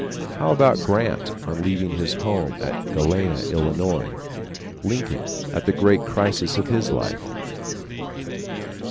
How about Grant on leaving his home at Galena, Illinois? Lincoln at the great crisis of his life?